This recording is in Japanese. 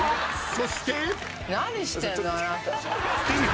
［そして］